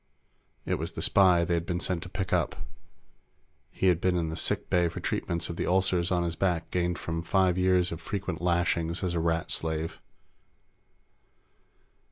It was the spy they had been sent to pick up. He'd been in the sick bay for treatments of the ulcers on his back gained from five years of frequent lashings as a Rat slave.